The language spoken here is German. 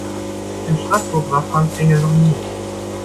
In Straßburg war Frank Engel noch nie.